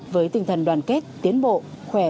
với tinh thần đoàn kết tiến bộ khỏe